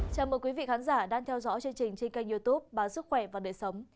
chào mừng quý vị khán giả đang theo dõi chương trình trên kênh youtube báo sức khỏe và đời sống